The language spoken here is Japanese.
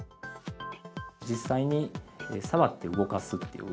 実際に触って動かすっていう。